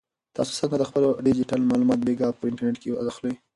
تاسو څنګه د خپلو ډیجیټل معلوماتو بیک اپ په انټرنیټ کې اخلئ؟